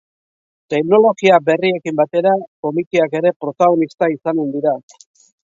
Teknologia berriekin batera, komikiak ere protagonista izanen dira.